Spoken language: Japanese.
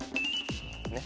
ねっ？